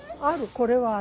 これはある。